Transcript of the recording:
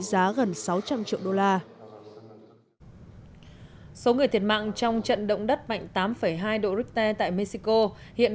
giá gần sáu trăm linh triệu đô la số người thiệt mạng trong trận động đất mạnh tám hai độ richter tại mexico hiện